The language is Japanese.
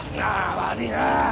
悪いなぁ。